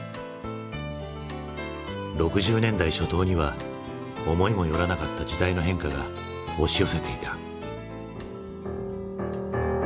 ６０年代初頭には思いもよらなかった時代の変化が押し寄せていた。